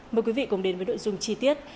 mời quý vị cùng đến với nội dung chi tiết